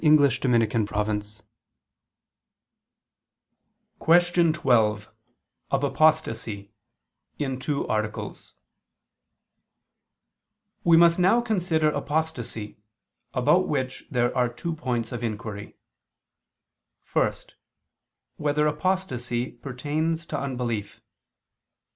_______________________ QUESTION 12 OF APOSTASY (In Two Articles) We must now consider apostasy: about which there are two points of inquiry: (1) Whether apostasy pertains to unbelief?